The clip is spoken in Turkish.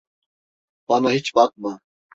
Bana hiç bakma.